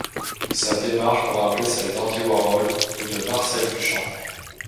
Sa démarche peut rappeler celles d'Andy Warhol ou de Marcel Duchamp.